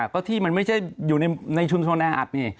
ก็ที่มันไม่ใช่อยู่ในชุมชนแออัดนี่